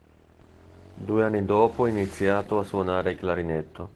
Due anni dopo iniziato a suonare il clarinetto.